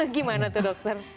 gimana tuh dokter